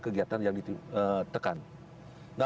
kegiatan yang ditekan